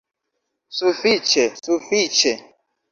Sufiĉe, sufiĉe!